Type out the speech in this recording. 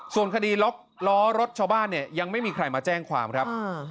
ส่วนคดีล็อกล้อรถชาวบ้านเนี่ยยังไม่มีใครมาแจ้งความครับ